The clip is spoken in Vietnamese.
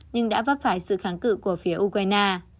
nhưng đã vấp phải sự kháng cự của phía ukraine